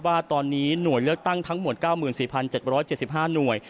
ว่าตอนนี้หน่วยเลือกตั้งทั้งหมด๙๔๗๗๕หน่วย